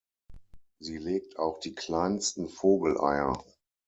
Sie legt auch die kleinsten Vogeleier.